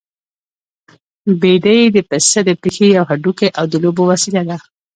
بېډۍ د پسه د پښې يو هډوکی او د لوبو وسيله ده.